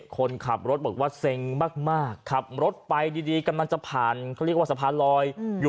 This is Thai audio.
คนขับรถบอกว่าเซ็งมากขับรถไปดีกำลังจะผ่านเขาเรียกว่าสะพานลอยอยู่